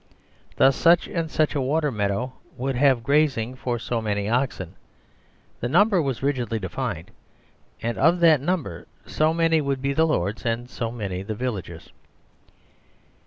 Thus, such and such a water mea dow would have grazing for so many oxen ; the num ber was rigidly defined, and of that number so many would be the Lord's and so many the Villagers'.